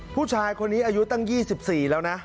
ผู้ชายคนนี้อายุตั้ง๒๔แล้วนะ